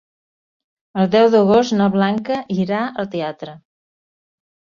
El deu d'agost na Blanca irà al teatre.